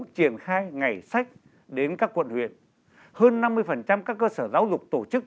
triển khai ngày sách đến các quận huyện hơn năm mươi các cơ sở giáo dục tổ chức